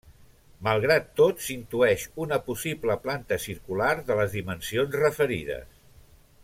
Malgrat tot s'intueix una possible planta circular de les dimensions referides.